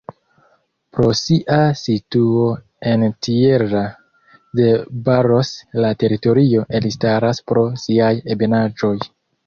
Pro sia situo en Tierra de Barros la teritorio elstaras pro siaj ebenaĵoj.